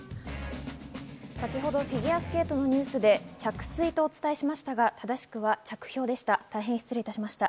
先ほどフィギュアスケートのニュースで着水とお伝えしましたが正しくは着氷でした。